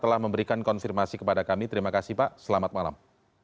telah memberikan konfirmasi kepada kami terima kasih pak selamat malam